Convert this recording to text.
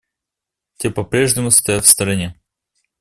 Те по-прежнему стоят в стороне.